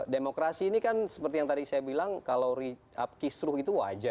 demokrasi ini kan seperti yang tadi saya bilang kalau kisruh itu wajar